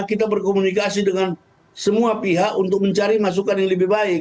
kita berkomunikasi dengan semua pihak untuk mencari masukan yang lebih baik